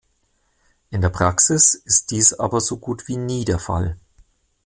In der Praxis ist dies aber so gut wie nie der Fall.